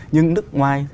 nhưng nước ngoài